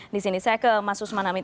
disini saya ke mas usman hamid